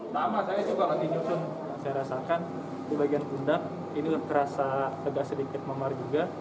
saya rasakan di bagian tundak ini terasa sedikit memar juga